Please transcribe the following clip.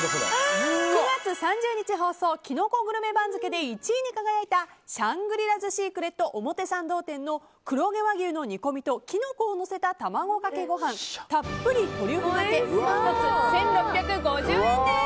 ９月３０日放送キノコグルメ番付で１位に輝いたシャングリラズシークレット表参道店の黒毛和牛の煮込みときのこをのせた卵かけご飯たっぷりトリュフかけ１つ１６５０円です。